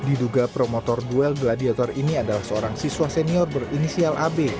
diduga promotor duel gladiator ini adalah seorang siswa senior berinisial ab